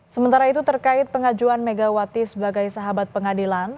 sementara itu terkait pengajuan megawati sebagai sahabat pengadilan